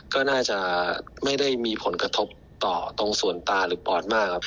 ก็น่าจะไม่ได้มีผลกระทบต่อตรงส่วนตาหรือปอดมากครับ